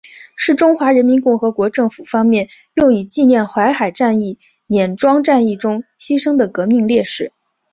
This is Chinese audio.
是中华人民共和国政府方面用以纪念淮海战役碾庄战斗中牺牲的革命烈士。